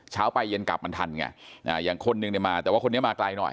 เช้าไปเย็นกลับมันทันไงอย่างคนนึงเนี่ยมาแต่ว่าคนนี้มาไกลหน่อย